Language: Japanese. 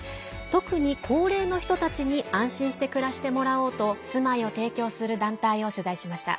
特に、高齢の人たちに安心して暮らしてもらおうと住まいを提供する団体を取材しました。